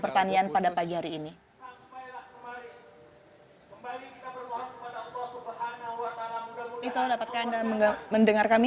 pertanian pada pagi hari ini kembali kita berdoa kepada allah subhanahu wa ta'ala mendengar kami